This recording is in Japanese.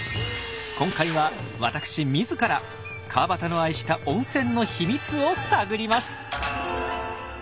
今回は私自ら川端の愛した温泉の秘密を探ります。